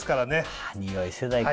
はぁにおい世代か。